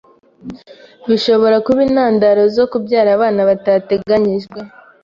bishobora kuba intandaro zo kubyara abana batateganyijwe